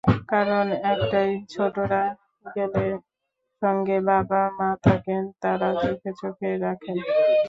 কারণ একটাই, ছোটরা গেলে সঙ্গে বাবা-মা থাকেন, তাঁরা চোখে চোখে রাখেন।